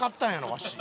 わし。